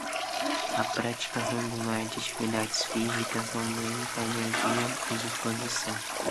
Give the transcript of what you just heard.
A prática regular de atividades físicas aumenta a energia e disposição.